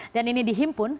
dan ini dihimpun